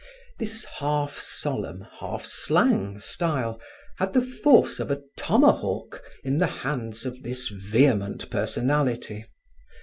This half solemn, half slang style, had the force of a tomahawk in the hands of this vehement personality.